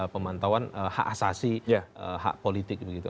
pemantauan hak asasi hak politik begitu